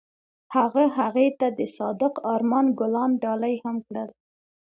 هغه هغې ته د صادق آرمان ګلان ډالۍ هم کړل.